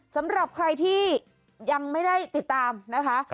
สำหรับใครที่ยังไม่ได้ติดตามนะคะ